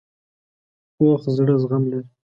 پوخ زړه زغم لري